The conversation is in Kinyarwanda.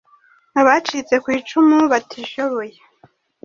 abacitse ku icumu batishoboye,